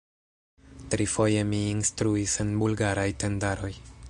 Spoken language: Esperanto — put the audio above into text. Trifoje mi instruis en Bulgaraj tendaroj.